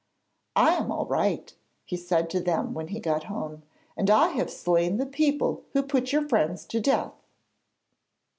'I am all right,' he said to them when he got home; 'and I have slain the people who put your friends to death.'